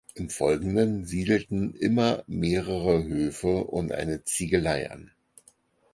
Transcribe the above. Im Folgenden siedelten immer mehrere Höfe und eine Ziegelei an.